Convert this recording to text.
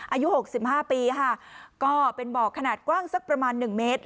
อายุหกสิบห้าปีค่ะก็เป็นบ่อขนาดกว้างสักประมาณหนึ่งเมตร